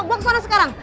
gue kesana sekarang